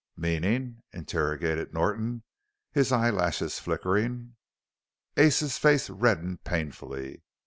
"Meanin'?" interrogated Norton, his eyelashes flickering. Ace's face reddened painfully.